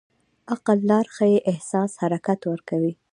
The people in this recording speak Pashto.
عقل لار ښيي، احساس حرکت ورکوي.